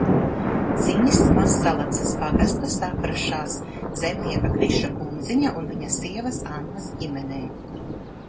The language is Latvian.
"Dzimis Mazsalacas pagasta "Saprašās" zemnieka Kriša Kundziņa un viņa sievas Annas ģimenē."